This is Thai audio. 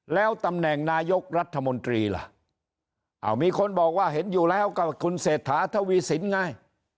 แล้วตำแหน่งนายกรัฐมนตรีล่ะมีคนบอกว่าเห็นอยู่แล้วกับคุณเศรษฐาทวีสินไง